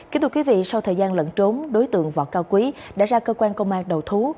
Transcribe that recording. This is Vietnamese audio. kính thưa quý vị sau thời gian lẫn trốn đối tượng võ cao quý đã ra cơ quan công an đầu thú